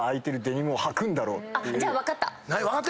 じゃあ分かった。